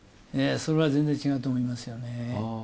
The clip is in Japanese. それは全然違うと思いますよね。